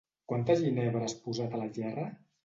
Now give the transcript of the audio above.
Quanta ginebra has posat a la gerra?